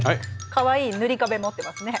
かわいいぬりかべ持ってますね。